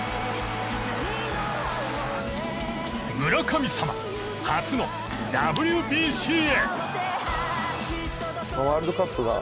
村神様初のＷＢＣへ。